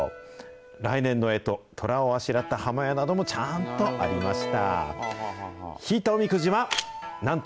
来年の干支、とらをあしらった破魔矢などもちゃんとありました。